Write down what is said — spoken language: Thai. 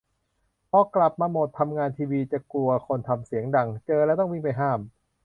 พอกลับมาโหมดทำงานทีวีจะกลัวคนทำเสียงดัง เจอแล้วต้องวิ่งไปห้าม